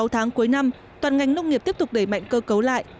sáu tháng cuối năm toàn ngành nông nghiệp tiếp tục đẩy mạnh cơ cấu lại